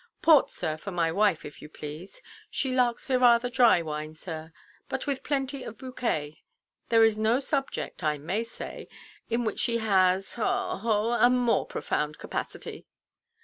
"Port, sir, for my wife, if you please. She likes a rather dry wine, sir, but with plenty of bouquet. There is no subject, I may say, in which she has—ha, haw—a more profound capacity."